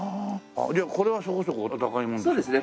じゃあこれはそこそこお高いものですか？